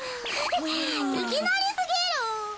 いきなりすぎる。